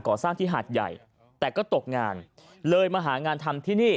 ก่อสร้างที่หาดใหญ่แต่ก็ตกงานเลยมาหางานทำที่นี่